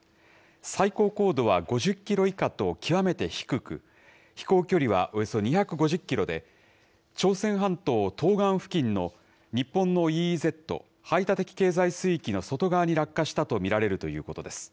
最高高度は５０キロ以下と極めて低く、飛行距離はおよそ２５０キロで、朝鮮半島東岸付近の日本のＥＥＺ・排他的経済水域の外側に落下したと見られるということです。